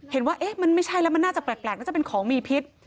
เห็นว่าเอ๊ะมันไม่ใช่แล้วมันน่าจะแปลกน่าจะเป็นของมีพิษ